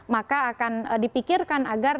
maka akan dipikirkan agar